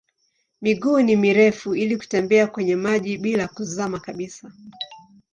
Miguu ni mirefu ili kutembea kwenye maji bila kuzama kabisa.